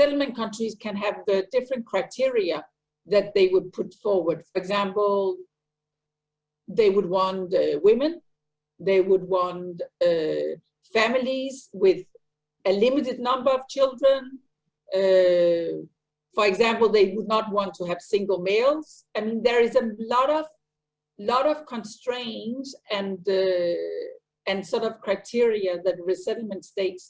ada banyak kekurangan dan kriteria yang diinginkan negara resettlement